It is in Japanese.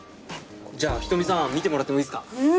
じゃあ瞳さん見てもらってもいいっすか？うん！